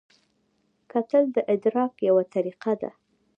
کتل د ادراک یوه طریقه ده